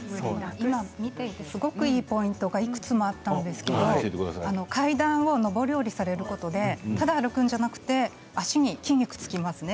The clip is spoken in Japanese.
今、見ていてすごくいいポイントがいくつもあったんですけど階段を上り下りされることでただ歩くのではなくて足に筋肉がつきますね。